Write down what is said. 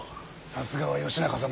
さすがは義仲様。